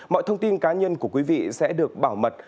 mọi thông tin cá nhân của quý vị sẽ được bảo mật